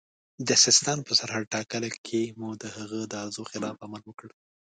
د سیستان په سرحد ټاکلو کې مو د هغه د ارزو خلاف عمل وکړ.